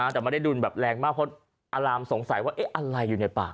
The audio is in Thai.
แต่ไม่ได้ดุนแบบแรงมากเพราะอารามสงสัยว่าอะไรอยู่ในปาก